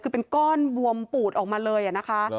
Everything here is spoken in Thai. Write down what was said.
คือเป็นก้อนบวมปูดออกมาเลยนะคะ